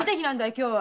今日は！